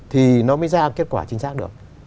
thì nó mới ra kết quả chính xác được